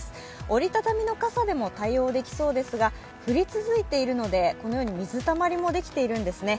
折り畳みの傘でも対応できそうですが、降り続いているので、このように水たまりもできているんですね。